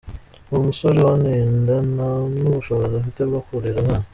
Uwo musore wanteye inda ntanubushobozi afite bwo kurera umwana.